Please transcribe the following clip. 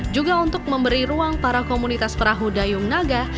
juga untuk memberi ruang para komunitas perahu dayung naga